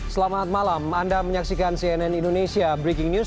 selamat malam anda menyaksikan cnn indonesia breaking news